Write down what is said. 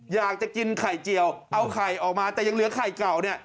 อยากจะกินไข่เจียวเอาไข่ออกมาแต่ยังเหลือไข่เก่าเนี่ย